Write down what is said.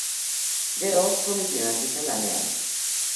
Gero, komikian hasi zen lanean.